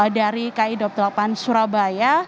dari ki dua puluh delapan surabaya